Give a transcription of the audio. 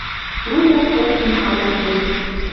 Труят коктын халык верц